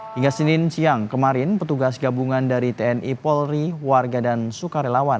hingga senin siang kemarin petugas gabungan dari tni polri warga dan sukarelawan